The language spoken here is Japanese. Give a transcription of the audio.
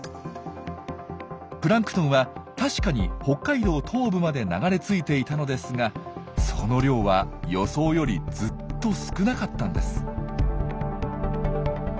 プランクトンは確かに北海道東部まで流れ着いていたのですがその量は予想よりずっと少なかったんです。